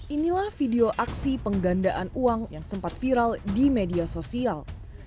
inilah video aksi penggandaan uang yang sempat viral di media sosial